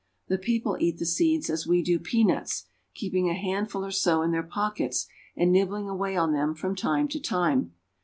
The people eat the seeds as we do peanuts, keeping a handful or so in their pockets, and nibbling away on them from time to time.